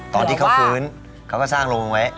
ตอนที่เขาฟื้นเขาก็สร้างโรงไว้